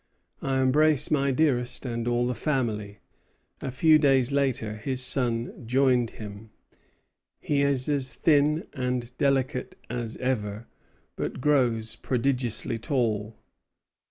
I embrace my dearest and all the family." A few days later his son joined him. "He is as thin and delicate as ever, but grows prodigiously tall."